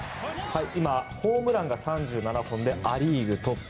今、ホームランが３７本でア・リーグトップ。